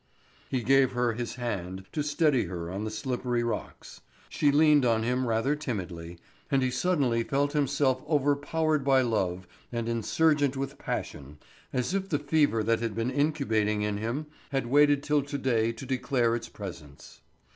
He gave her his hand to steady her on the slippery rocks. She leaned on him rather timidly, and he suddenly felt himself overpowered by love and insurgent with passion, as if the fever that had been incubating in him had waited till to day to declare its presence.